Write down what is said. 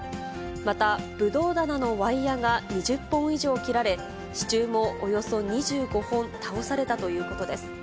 また、ぶどう棚のワイヤが２０本以上切られ、支柱もおよそ２５本倒されたということです。